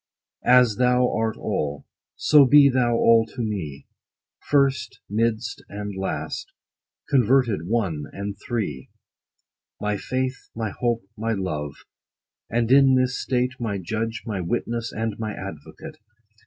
As thou art all, so be thou all to me, First, midst, and last, converted One, and Three ! 10 My faith, my hope, my love ; and in this state, My judge, my witness, and my advocate.